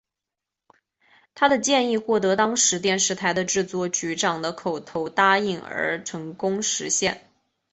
他的建议获得当时电视台的制作局长的口头答应而成功实现。